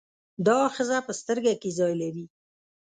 دا آخذه په سترګه کې ځای لري.